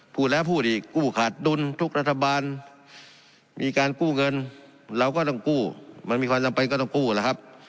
พูดแล้วพูดอีกกู้ขาดดุลทุกรัฐบาลมีการกู้เงินเราก็ต้องกู้มันมีความจำเป็นก็ต้องกู้ล่ะครับ